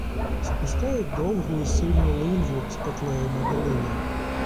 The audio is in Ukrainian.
Спускають довгу і сильну линву з петлею на долині.